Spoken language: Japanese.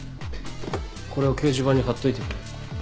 これを掲示板に貼っといてくれ。